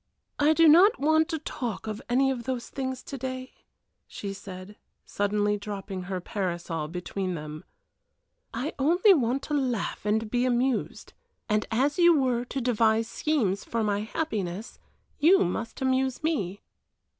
"I do not want to talk of any of those things to day," she said, suddenly dropping her parasol between them. "I only want to laugh and be amused, and as you were to devise schemes for my happiness, you must amuse me."